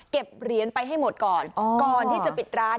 เหรียญไปให้หมดก่อนก่อนที่จะปิดร้าน